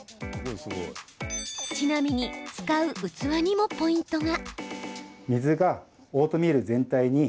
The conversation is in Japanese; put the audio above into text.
ちなみに使う器にもポイントが。